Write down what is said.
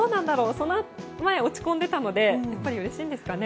その前、落ち込んでいたのでやっぱりうれしいんですかね。